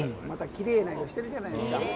またきれいな色してるじゃないですか。